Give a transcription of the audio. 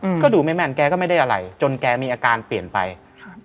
อืมก็ดูไม่แม่นแกก็ไม่ได้อะไรจนแกมีอาการเปลี่ยนไปครับ